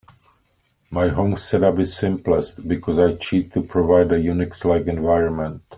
My home set up is simplest, because I cheat to provide a UNIX-like environment.